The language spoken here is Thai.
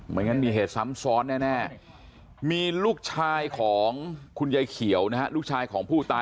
งั้นมีเหตุซ้ำซ้อนแน่มีลูกชายของคุณยายเขียวนะฮะลูกชายของผู้ตาย